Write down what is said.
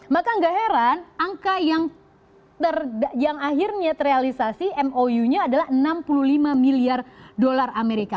maka gak heran angka yang akhirnya terrealisasi mou nya adalah enam puluh lima miliar dolar amerika